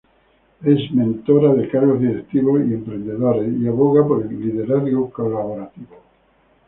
Es mentora de cargos directivos y emprendedores y aboga por el liderazgo colaborativo.